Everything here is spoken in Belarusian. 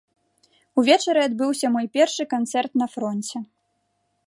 Увечары адбыўся мой першы канцэрт на фронце.